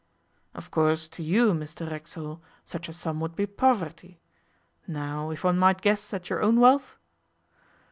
'Of course to you, Mr Racksole, such a sum would be poverty. Now if one might guess at your own wealth?